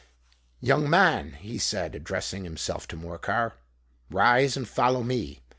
"Young man," he said, addressing himself to Morcar, "rise and follow me.